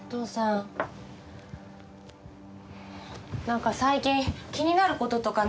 何か最近気になることとかない？